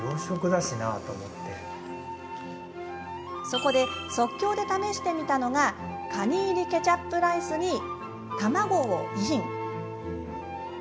そこで、即興で試してみたのがかに入りケチャップライスに卵をイン。